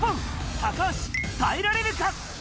高橋、耐えられるか？